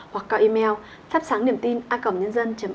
hoặc gọi email thắp sángniềmtinacomnhân dân org vn